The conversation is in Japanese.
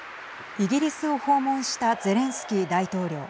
イギリスを訪問したゼレンスキー大統領。